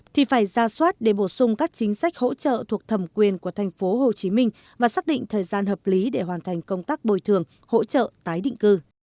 thì phải ra soát để bổ sung các chính sách hỗ trợ thuộc thẩm quyền của tp hcm và xác định thời gian hợp lý để hoàn thành công tác bồi thường hỗ trợ tái định cư